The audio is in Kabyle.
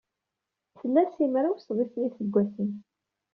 Tla simraw-sḍis n yiseggasen.